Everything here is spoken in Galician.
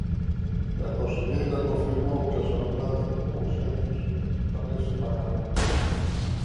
E a conselleira confirmou que as ambulancias non urxentes tamén se pagarán.